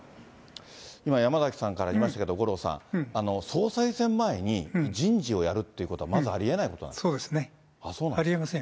今、山崎さんからありましたけど、五郎さん、総裁選前に人事をやるっていうことは、まずありえないそうですね、ありえません。